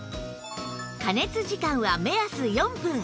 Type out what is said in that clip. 加熱時間は目安４分